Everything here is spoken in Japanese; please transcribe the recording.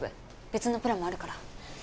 別のプランもあるから。